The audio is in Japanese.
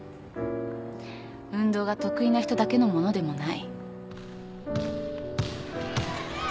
運動が得意な人だけのものでもない。